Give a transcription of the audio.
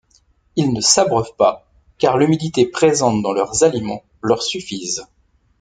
Ils ne s’abreuvent pas car l'humidité présente dans leurs aliments leurs suffisent.